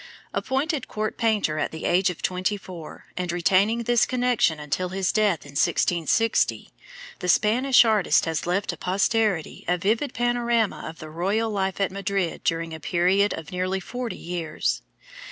Appointed court painter at the age of twenty four, and retaining this connection until his death, in 1660, the Spanish artist has left to posterity a vivid panorama of the royal life at Madrid during a period of nearly forty years.